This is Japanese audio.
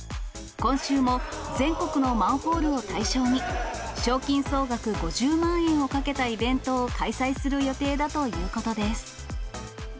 今週も全国のマンホールを対象に、賞金総額５０万円を懸けたイベントを開催する予定だということです。